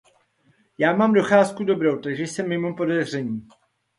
Já mám docházku dobrou, takže jsem mimo podezření.